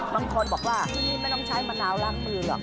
บางคนบอกว่าที่นี่ไม่ต้องใช้มะนาวล้างมือหรอก